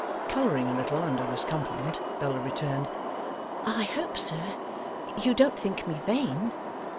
Colouring a little under this compliment, Bella returned, 'I hope sir, you don't think me vain?